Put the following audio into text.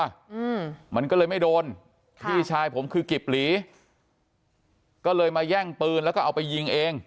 อืมมันก็เลยไม่โดนค่ะพี่ชายผมคือกิบหลีก็เลยมาแย่งปืนแล้วก็เอาไปยิงเอง